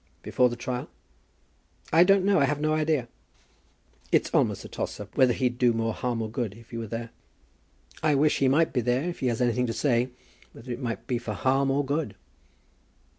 "Before the trial?" "I don't know. I have no idea." "It's almost a toss up whether he'd do more harm or good if he were there." "I wish he might be there if he has anything to say, whether it might be for harm or good."